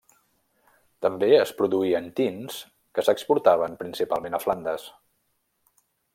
També es produïen tints que s'exportaven principalment a Flandes.